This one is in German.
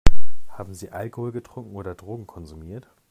Haben Sie Alkohol getrunken oder Drogen konsumiert?